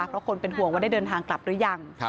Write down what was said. เพราะคนเป็นห่วงว่าได้เดินทางกลับหรือยัง